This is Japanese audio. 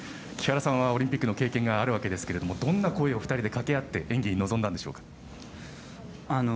木原さんはオリンピックの経験があるわけですがどんな声を２人で掛け合って演技に臨んだんでしょうか。